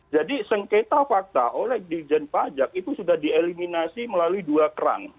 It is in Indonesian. jadi sengketa fakta oleh dirjen pajak itu sudah dieliminasi melalui dua kerang